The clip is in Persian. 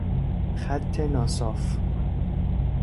خط ناصاف